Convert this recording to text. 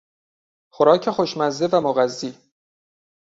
خوراک خوشمزه و مغذی